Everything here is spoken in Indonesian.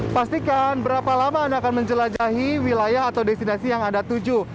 pastikan berapa lama anda akan menjelajahi wilayah atau destinasi yang anda tuju